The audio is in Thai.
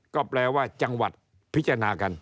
ก็แปลว่าจังหวัดพิจารณากัน